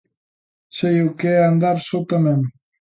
Sei o que é andar só tamén.